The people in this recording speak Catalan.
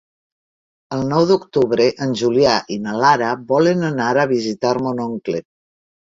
El nou d'octubre en Julià i na Lara volen anar a visitar mon oncle.